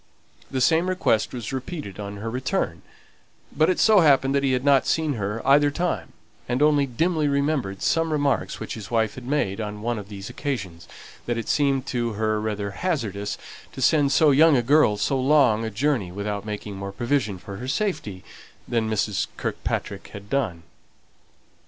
The same request was repeated on her return; but it so happened that he had not seen her either time; and only dimly remembered some remarks which his wife had made on one of these occasions, that it seemed to her rather hazardous to send so young a girl so long a journey without making more provision for her safety than Mrs. Kirkpatrick had done.